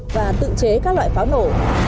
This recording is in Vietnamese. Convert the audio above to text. và tự chế các loại pháo nổ